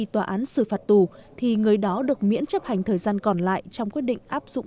tòa án xử phạt tù thì người đó được miễn chấp hành thời gian còn lại trong quyết định áp dụng